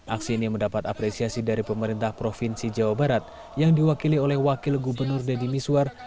aksi ini mendapat apresiasi dari pemerintah provinsi jawa barat yang diwakili oleh wakil gubernur deddy miswar